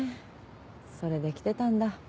それで来てたんだ。